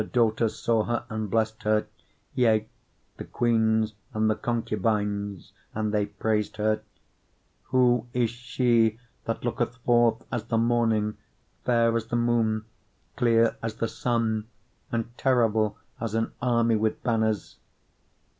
The daughters saw her, and blessed her; yea, the queens and the concubines, and they praised her. 6:10 Who is she that looketh forth as the morning, fair as the moon, clear as the sun, and terrible as an army with banners?